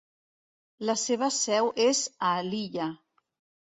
La seva seu és a Lilla.